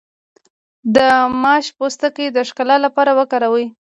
د ماش پوستکی د ښکلا لپاره وکاروئ